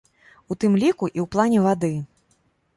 У тым ліку і ў плане вады.